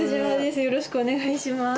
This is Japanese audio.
よろしくお願いします。